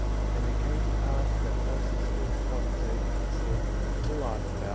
"* 13. And it came to pass that Moses looked upon Satan'* and said: Who art thou?